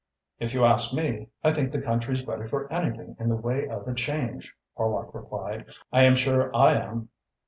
"If you ask me, I think the country's ready for anything in the way of a change," Horlock replied. "I am sure I am.